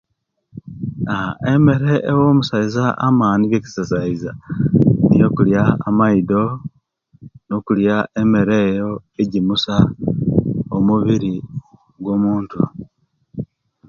Emere ewa amusaiza amani ge kisaiza kulya amaido nokulya emere eyo egimusa omubiri gwomuntu